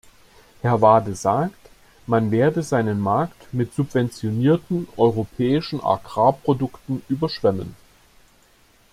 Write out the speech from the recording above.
Herr Wade sagt, man werde seinen Markt mit subventionierten europäischen Agrarprodukten überschwemmen.